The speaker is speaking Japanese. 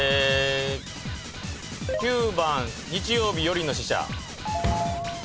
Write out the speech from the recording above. ９番日曜日よりの使者。